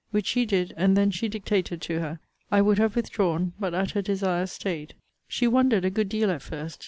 Which she did, and then she dictated to her. I would have withdrawn; but at her desire staid. She wandered a good deal at first.